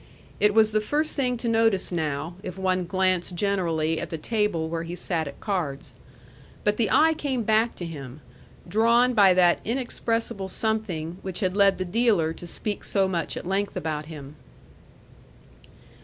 It was the first thing to notice now, if one glanced generally at the table where he sat at cards. But the eye came back to him drawn by that inexpressible something which had led the dealer to speak so much at length about him.